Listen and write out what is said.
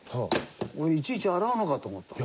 俺いちいち洗うのかと思った。